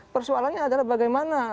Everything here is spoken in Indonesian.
persoalannya adalah bagaimana